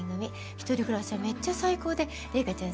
１人暮らしはめっちゃ最高で零花ちゃん